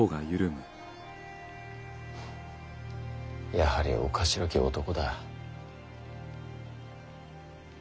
やはりおかしろき男だ。